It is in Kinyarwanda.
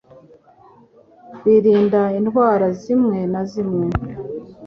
Birinda indwara zimwe na zimwe